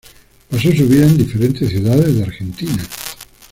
Pasó su vida en diferentes ciudades de Argentina.